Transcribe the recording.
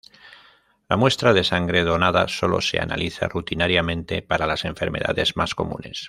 La muestra de sangre donada solo se analiza rutinariamente para las enfermedades más comunes.